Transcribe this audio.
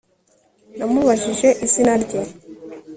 Namubajije izina rye